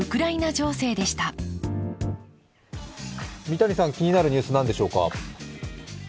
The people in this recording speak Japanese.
三谷さん気になるニュース何でしょうか？